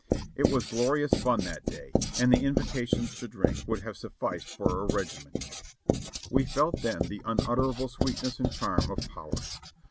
It was glorious fun that day, and the invitations to drink would have sufficed for a regiment. We felt then the unutterable sweetness and charm of power.